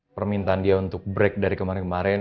permintaan dia untuk break dari kemarin kemarin